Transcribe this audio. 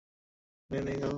নেন এই গাল!